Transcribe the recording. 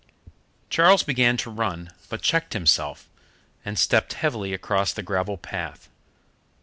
Charles began to run, but checked himself, and stepped heavily across the gravel path.